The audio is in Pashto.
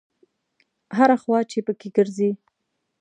هره خوا چې په کې ګرځې.